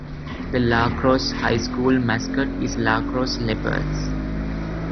The LaCrosse High School mascot is LaCrosse Leopards.